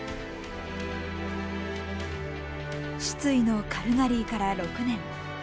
失意のカルガリーから６年。